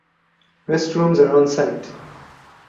Restrooms are on site.